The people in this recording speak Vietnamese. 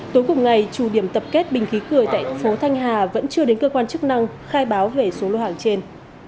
tối cùng ngày chủ điểm tập kết bình khí cười tại phố thanh hà vẫn chưa đến cơ quan chức năng khai báo về số lô hàng trên